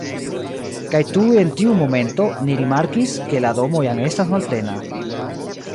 Kaj tuj en tiu momento ni rimarkis, ke la domo jam estas malplena